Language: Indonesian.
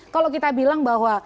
kalau kita bilang bahwa